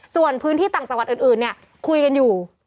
ส่วนพื้นที่ต่างจังหวัดอื่นเนี่ยคุยกันอยู่